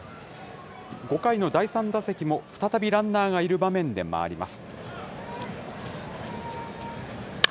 ５回の第３打席も、再びランナーがいる場面で回ります。